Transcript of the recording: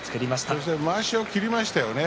そしてまわしを切りました。